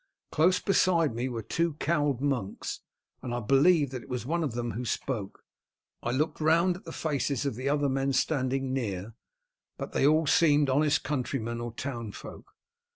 Close beside me were two cowled monks, and I believe that it was one of them who spoke. I looked round at the faces of the other men standing near, but they all seemed honest countrymen or town folk.